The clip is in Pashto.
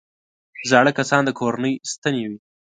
زاړه کسان د کورنۍ ستنې وي